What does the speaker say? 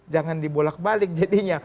jangan dibolak balik jadinya